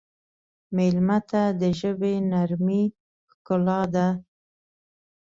مېلمه ته د ژبې نرمي ښکلا ده.